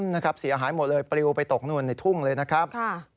นะครับเสียหายหมดเลยปลิวไปตกนู่นในทุ่งเลยนะครับ